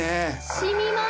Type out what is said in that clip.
染みます。